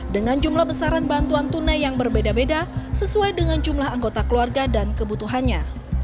dengan jumlah besaran bantuan tunai yang berbeda beda sesuai dengan jumlah anggota keluarga dan kebutuhannya